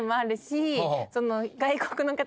その。